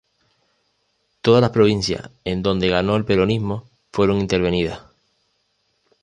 Todas las provincias en donde ganó el peronismo fueron intervenidas.